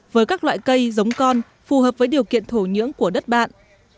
với các loại cây giống con phù hợp với điều kiện thổ nhưỡng của đất bạn